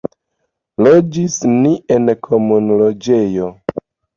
Loĝis ni en komunloĝejo.